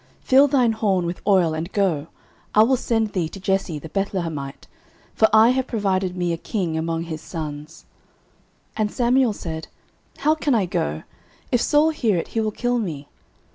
fill thine horn with oil, and go, I will send thee to Jesse the Bethlehemite: for I have provided me a king among his sons. 09:016:002 And Samuel said, How can I go? if Saul hear it, he will kill me.